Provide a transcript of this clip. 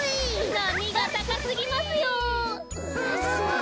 なみがたかすぎますよ！